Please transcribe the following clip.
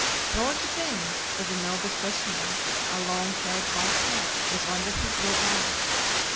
Lord Gwynne is a noble specimen, a long haired white cat with wonderful blue eyes.